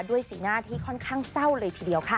สีหน้าที่ค่อนข้างเศร้าเลยทีเดียวค่ะ